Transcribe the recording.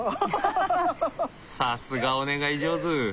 さすがお願い上手。